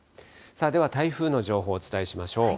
では台風の情報、お伝えしましょう。